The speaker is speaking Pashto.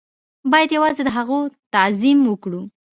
بايد يوازې د هغو تعظيم وکړو.